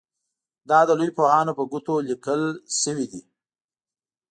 دا د لویو پوهانو په ګوتو لیکل شوي دي.